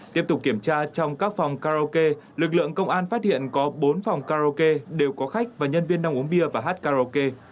tiếp tục kiểm tra trong các phòng karaoke lực lượng công an phát hiện có bốn phòng karaoke đều có khách và nhân viên đang uống bia và hát karaoke